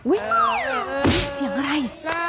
อุ๊ยเห็นเสียงอะไร